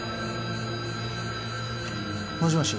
もしもし。